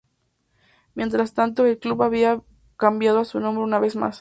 Mientras tanto, el club había cambiado su nombre una vez más.